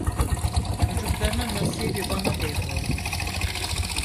Çocuklarının nasibi bana devroldu.